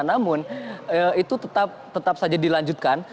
namun itu tetap saja dilanjutkan